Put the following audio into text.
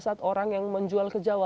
saat orang yang menjual ke jawa